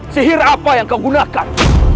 sihir apa yang kau gunakan